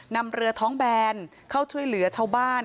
นำเรือท้องแบนเข้าช่วยเหลือชาวบ้าน